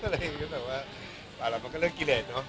แต่ก็แต่ว่ามันก็เรื่องกิเลจเนาะ